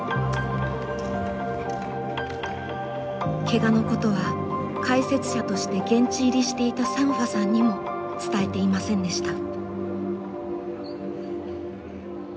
けがのことは解説者として現地入りしていたサンファさんにも伝えていませんでした。